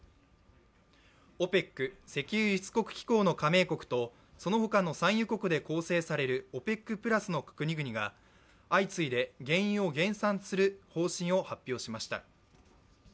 ＯＰＥＣ＝石油輸出国機構の加盟国とそのほかの産油国で構成されるＯＰＥＣプラスの国々が相次いで原油を減産する方針を発表しました。